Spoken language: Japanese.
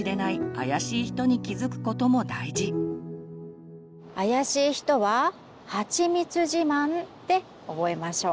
あやしい人は「はちみつじまん」で覚えましょう。